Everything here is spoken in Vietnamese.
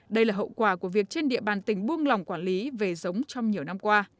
đây là hậu quả của việc trên địa bàn tỉnh buông lòng quản lý về giống trong nhiều năm qua